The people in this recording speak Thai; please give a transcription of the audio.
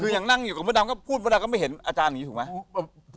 คือยังนั่งอยู่กับมดดำก็พูดมดดำก็ไม่เห็นอาจารย์อย่างนี้ถูกไหม